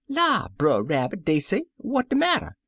" 'La, Brer Rabbit!' dey say, 'what de matter?